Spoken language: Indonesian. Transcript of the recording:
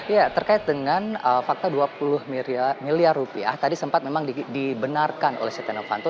ya terkait dengan fakta dua puluh miliar rupiah tadi sempat memang dibenarkan oleh setia novanto